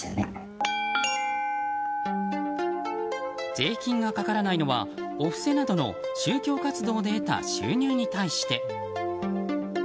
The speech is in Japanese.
税金がかからないのはお布施などの宗教活動で得た収入に対して。